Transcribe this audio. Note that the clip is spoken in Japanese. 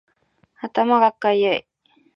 頭がかゆい